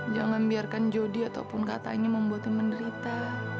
jangan biarkan jodi ataupun katanya membuat menderita